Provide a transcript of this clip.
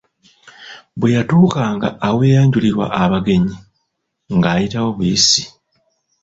Bwe yatuukanga aweeyanjulirwa abagenyi, ng'ayitawo buyisi.